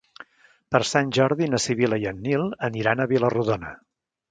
Per Sant Jordi na Sibil·la i en Nil aniran a Vila-rodona.